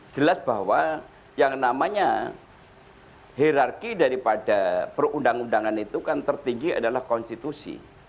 jelas bahwa yang namanya hirarki daripada perundang undangan itu kan tertinggi adalah konstitusi